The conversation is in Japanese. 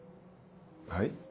はい？